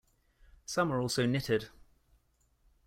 Some are also knitted.